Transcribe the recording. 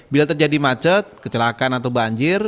bila terjadi macet kecelakaan atau banjir